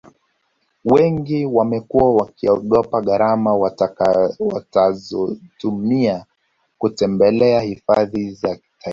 wengi wamekuwa wakiogopa gharama watazotumia kutembelea hifadhi za taifa